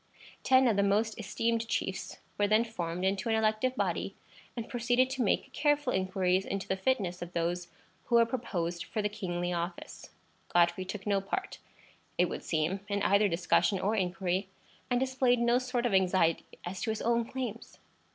Ten of the most esteemed chiefs were then formed into an elective body, and proceeded to make careful inquiries into the fitness of those who were proposed for the kingly office. Godfrey took no part, it would seem, in either discussion or inquiry, and displayed no sort of anxiety as to his own claims.